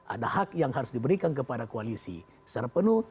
ada hak yang harus diberikan kepada koalisi secara penuh